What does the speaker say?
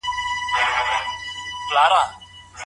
ذهن یې په سهار ښه کار کاوه.